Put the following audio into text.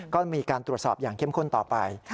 ก็มีการตรวจสอบอย่างเข้มข้นต่อไป